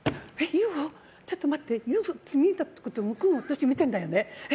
ちょっと待ってＵＦＯ見えたってことは向こうも私見ているんだよね。